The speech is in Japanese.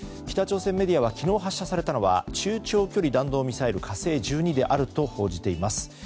北朝鮮メディアは昨日発射されたのは中距離弾道ミサイル「火星１２」であると報じています。